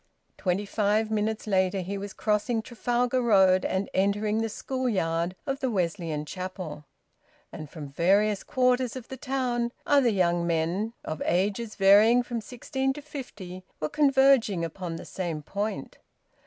Twenty five minutes later he was crossing Trafalgar Road and entering the school yard of the Wesleyan Chapel. And from various quarters of the town, other young men, of ages varying from sixteen to fifty, were converging upon the same point.